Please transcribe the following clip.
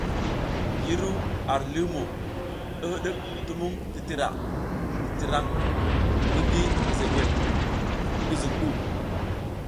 Yi ru ar limo, i hidik tumung titira titirang ngi gi mezegwel ngi zuŋ du.